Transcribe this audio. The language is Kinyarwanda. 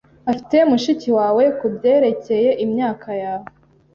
afite mushiki wawe kubyerekeye imyaka yawe.